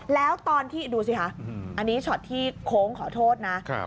แล้วตอนที่ดูสิคะอันนี้ช็อตที่โค้งขอโทษนะ